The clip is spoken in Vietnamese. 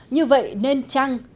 như vậy nên chăng